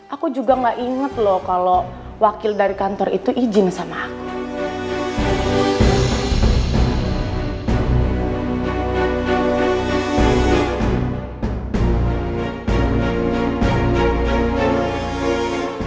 aku juga gak inget loh kalau wakil dari kantor itu izin sama aku